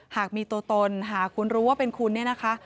หากมีตัวตนหากคุณรู้ว่าเป็นคุณเนี่ยนะคะ